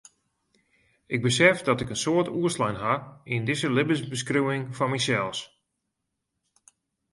Ik besef dat ik in soad oerslein ha yn dizze libbensbeskriuwing fan mysels.